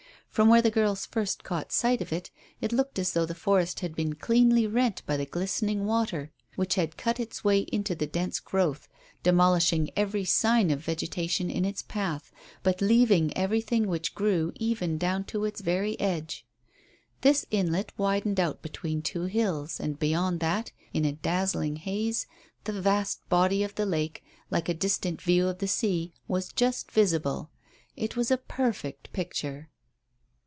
From where the girls first caught sight of it, it looked as though the forest had been cleanly rent by the glistening water which had cut its way into the dense growth, demolishing every sign of vegetation in its path, but leaving everything which grew even down to its very edge. This inlet widened out between two hills, and, beyond that, in a dazzling haze, the vast body of the lake, like a distant view of the sea, was just visible. It was a perfect picture.